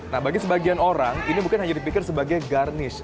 nah bagi sebagian orang ini bukan hanya dipikir sebagai garnish